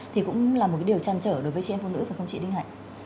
thì cũng là một điều trăn trở đối với chị em phụ nữ phải không chị đinh hạnh